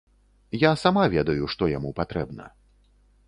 Я сама ведаю, што яму патрэбна.